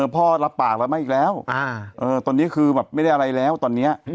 รับปากแล้วมาอีกแล้วตอนนี้คือแบบไม่ได้อะไรแล้วตอนนี้